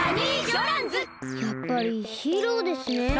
やっぱりヒーローですね。